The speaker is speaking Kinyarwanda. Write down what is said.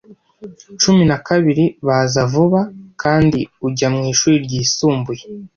Cumi na babiri baza vuba, kandi ujya mwishuri ryisumbuye.